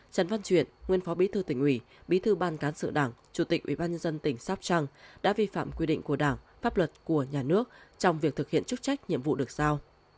trần văn chuyện nguyên phó bí thư tỉnh ủy bí thư ban cán sự đảng chủ tịch ubnd tỉnh sóc trăng đã vi phạm quy định của đảng pháp luật của nhà nước trong việc thực hiện chức trách nhiệm vụ được sao